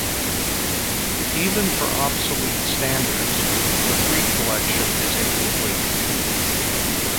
Even for obsolete standards, the free collection is incomplete.